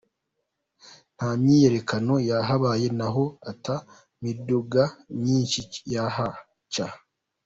Nta myiyerekano yahabaye n’aho ata miduga myishi yahaca.